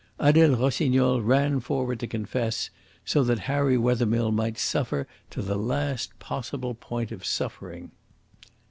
Adele Rossignol ran forward to confess, so that Harry Wethermill might suffer to the last possible point of suffering.